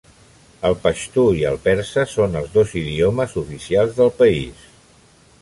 El paxtu i el persa són els dos idiomes oficials del país.